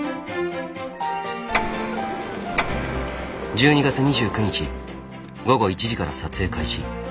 １２月２９日午後１時から撮影開始。